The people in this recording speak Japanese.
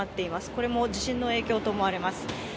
これも地震の影響と思われます。